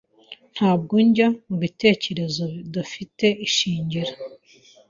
Ntabwo njya mubitekerezo bidafite ishingiro.